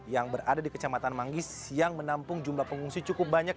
yang berada di kecamatan manggis yang menampung jumlah pengungsi cukup banyak